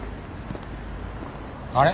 あれ？